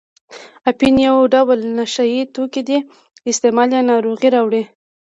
اپین یو ډول نشه یي توکي دي استعمال یې ناروغۍ راوړي.